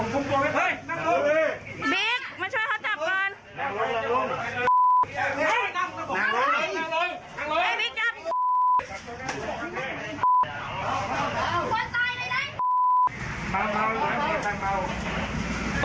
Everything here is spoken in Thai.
พี่เมาไหม